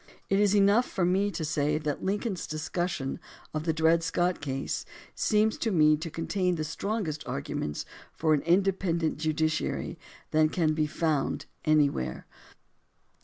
It is enough for me to say that Lincoln's discussion of the Dred Scott case seems to me to contain the strongest arguments for an independent judiciary that can be foimd any where.